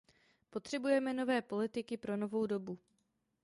Potřebujeme nové politiky pro novou dobu.